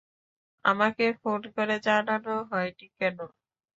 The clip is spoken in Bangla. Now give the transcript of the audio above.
আমাকে ফোন করে জানানো হয়নি কেন?